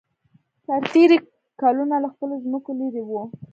سرتېري کلونه له خپلو ځمکو لېرې وو